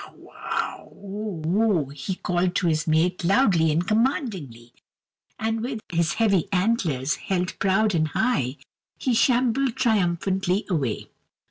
"Ugh ugh waugh, o o," he called to his mate loudly and commandingly, and with his heavy antlers held proud and high he shambled triumphantly away.